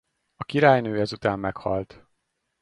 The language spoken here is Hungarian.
A királynő ezután meghalt.